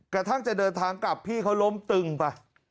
กระทั่งจะเดินทางกลับพี่เขาล้มตึงไป